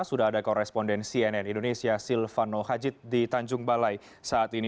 sudah ada koresponden cnn indonesia silvano hajid di tanjung balai saat ini